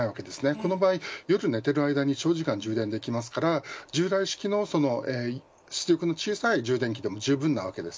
この場合夜寝ている間に長時間充電できますから従来式の出力の小さい充電器でもじゅうぶんなわけです。